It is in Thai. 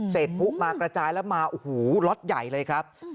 เสร็จผู้มากระจายแล้วมาโอ้โหล็อตใหญ่เลยครับ